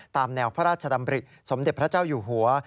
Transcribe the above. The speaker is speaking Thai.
ตามแนวพระราชดำริสมเด็จพระเจ้าอยู่หัว